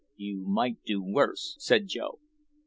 "You might do worse," said Joe.